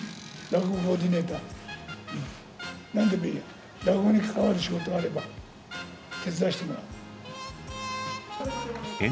落語に関わる仕事があれば、手伝わせてもらう。